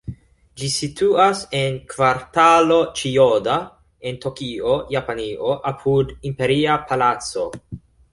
Ĝi situas en Kvartalo Ĉijoda, en Tokio, Japanio, apud Imperia Palaco.